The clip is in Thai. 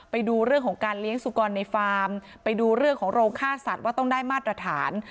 ไปดูเรื่องของการเลี้ยงสุกรในฟาร์มไปดูเรื่องของโรงฆ่าสัตว์ว่าต้องได้มาตรฐาน